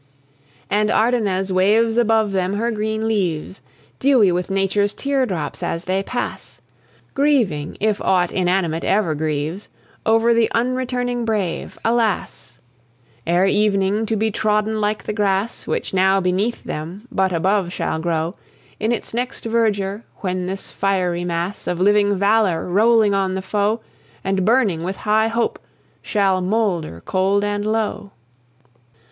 And Ardennes waves above them her green leaves, Dewy with Nature's tear drops, as they pass, Grieving, if aught inanimate e'er grieves, Over the unreturning brave alas! Ere evening to be trodden like the grass Which, now beneath them, but above shall grow In its next verdure, when this fiery mass Of living valour, rolling on the foe, And burning with high hope, shall moulder cold and low.